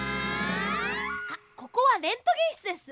あっここはレントゲンしつです。